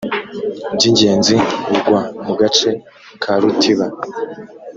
by ingenzi b ugwa mu gace ka rutiba